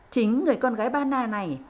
chính người con gái ba na này